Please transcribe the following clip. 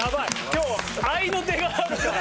今日合いの手があるから。